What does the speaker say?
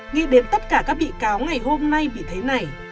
nghĩ đến tất cả các bị cáo ngày hôm nay bị thế này